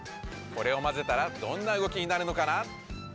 これをまぜたらどんな動きになるのかな？